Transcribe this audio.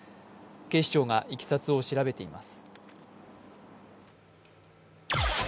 警視庁がいきさつを調べています。